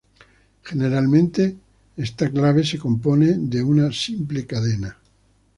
Generalmente esta clave se compone de una simple cadena.